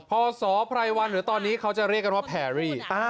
พศไพรวันหรือตอนนี้เขาจะเรียกกันว่าแพรรี่